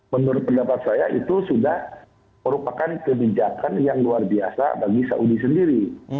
menurut pendapat saya itu sudah merupakan kebijakan yang luar biasa bagi saudi sendiri